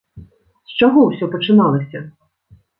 З чаго ўсё пачыналася?